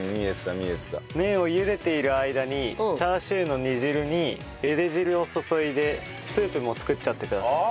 麺を茹でている間にチャーシューの煮汁に茹で汁を注いでスープも作っちゃってください。